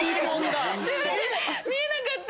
見えなかった⁉